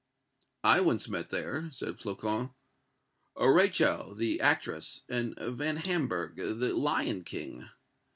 "I once met there," said Flocon, "Rachel, the actress, and Van Amburgh, the lion king."